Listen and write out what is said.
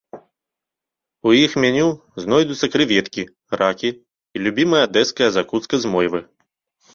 У іх меню знойдуцца крэветкі, ракі і любімая адэская закуска з мойвы.